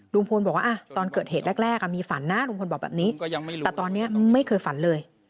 ลุงพลบอกว่าตอนเกิดเหตุแรกมีฝันนะลุงพลบอกแบบนี้แต่ตอนนี้ไม่เคยฝันเลย